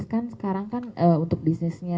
kan sekarang kan untuk bisnisnya